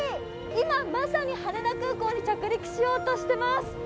今まさに羽田空港に着陸しようとしています。